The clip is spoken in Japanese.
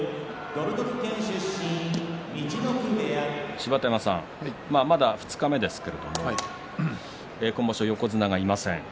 芝田山さんまだ二日目ですけれど今場所、横綱がいません。